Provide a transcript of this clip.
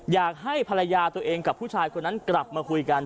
อยากให้ภรรยาตัวเองกับผู้ชายคนนั้นกลับมาคุยกัน